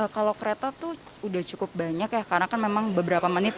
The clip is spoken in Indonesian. kalau kereta tuh udah cukup banyak ya karena kan memang beberapa menit